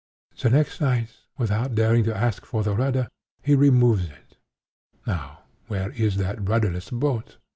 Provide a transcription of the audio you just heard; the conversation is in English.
The next night, without daring to ask for the rudder, he removes it. Now where is that rudderless boat?